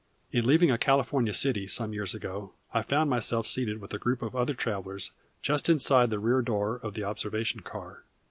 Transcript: In leaving a California city some years ago I found myself seated with a group of other travelers just inside the rear door of the observation car.